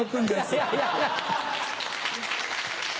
いやいや。